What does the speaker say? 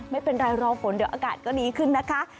ไม่เป็นไรรอฝนเดี๋ยวอากาศก็ดีขึ้นนะคะ